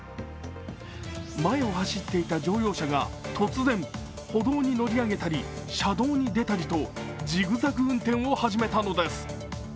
前を走っていた乗用車が突然歩道に乗り上げたり車道に出たりとジグザグ運転を始めたのです。